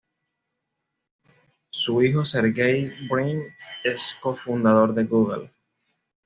Su hijo Sergey Brin es cofundador de Google.